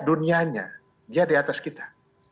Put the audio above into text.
dunianya dia di atas kita